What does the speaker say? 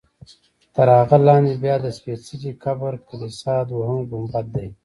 تر هغه لاندې بیا د سپېڅلي قبر کلیسا دویم ګنبد دی.